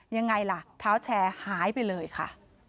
ยังไงล่ะเท้าแชร์หายไปเลยค่ะ